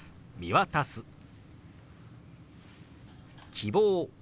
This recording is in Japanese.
「希望」。